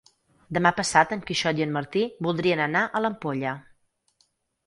Demà passat en Quixot i en Martí voldrien anar a l'Ampolla.